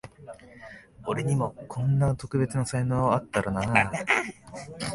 俺にもこんな特別な才能あったらなあ